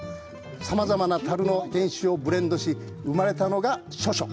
さまざまなたるの原酒をブレンドし生まれたのが「処暑」。